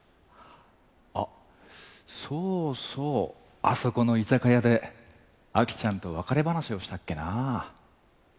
あっそうそうあそこの居酒屋で亜紀ちゃんと別れ話をしたっけなぁ。